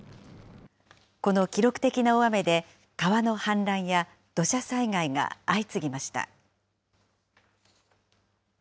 この記録的な大雨で、川の氾濫や土砂災害が相次ぎました。